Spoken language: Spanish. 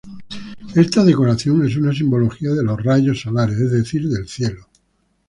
Esta decoración es una simbología de los rayos solares, es decir, del cielo.